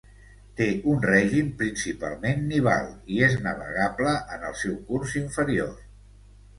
Té un règim principalment nival i és navegable en el seu curs inferior.